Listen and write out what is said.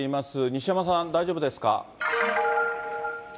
西山さん、大丈夫ですか。